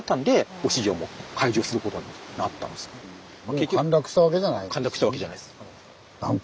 結局陥落したわけじゃないです。